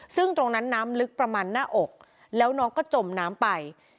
ซึ่งตรงนั้นน้ำลึกประมาณหน้าอกแล้วน้องก็จมน้ำไป